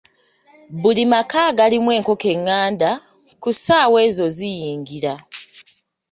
Buli maka agalimu enkoko enganda, ku ssaawa ezo ziyingira.